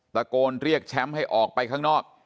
ตะโกนเรียกแชมป์ให้ออกไปข้างนอก